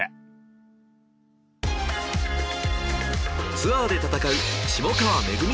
ツアーで戦う下川めぐみ